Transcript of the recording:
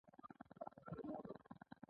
کښېناستل بد دي.